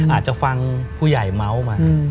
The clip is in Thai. อาจจะฟังผู้ใหญ่เมาส์มา